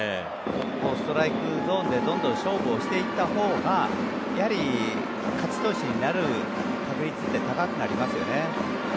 ストライクゾーンでどんどん勝負していったほうがやはり、勝ち投手になる確率って高くなりますよね。